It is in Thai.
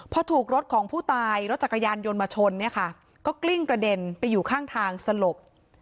พอถูกรถของผู้ตายรถจักรยานยนต์มาชนเนี่ยค่ะก็กลิ้งกระเด็นไปอยู่ข้างทางสลบ